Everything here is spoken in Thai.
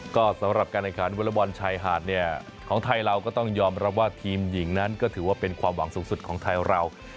ก็สำหรับการแข่งขันวอลบอลชายหาดเนี่ยของไทยเราก็ต้องยอมรับว่าทีมหญิงนั้นก็ถือว่าเป็นความหวังสูงสุดของไทยเรา